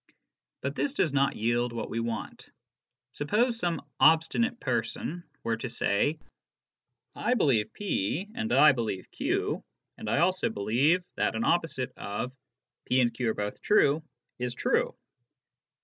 But this does not yield what we want. Suppose some obstinate person were to say :" I believe p, and I believe q } and I also believe that an opposite of ( p and q are both true' is true."